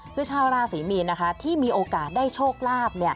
คือชาวราศรีมีนนะคะที่มีโอกาสได้โชคลาภ